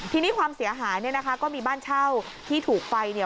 ทีนี้ความเสียหายก็มีบ้านเช่าที่ถูกไฟ